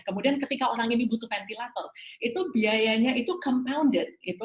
kemudian ketika orang ini butuh ventilator itu biayanya itu compounded gitu